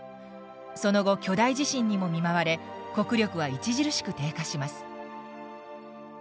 その後巨大地震にも見舞われ国力は著しく低下します。